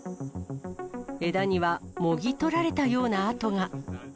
枝には、もぎ取られたような跡が。